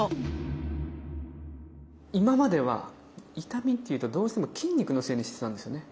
今までは痛みっていうとどうしても筋肉のせいにしてたんですよね。